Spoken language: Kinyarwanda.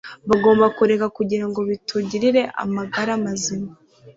bagomba kureka kugira ngo bitungire amagara mazima